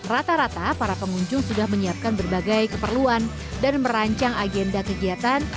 rata rata para pengunjung sudah menyiapkan berbagai keperluan dan merancang agenda kegiatan